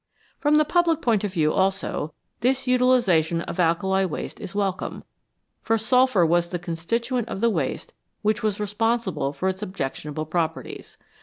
From the public point of view also, this utilisation of alkali waste is welcome, for sulphur was the constituent of the waste which was responsible for its objectionable properties.